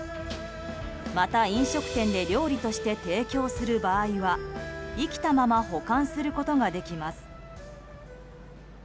また、飲食店で料理として提供する場合は生きたまま保管することができます。